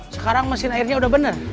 sekarang mesin airnya udah benar